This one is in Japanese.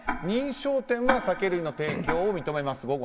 認証店は酒類の提供を認めます。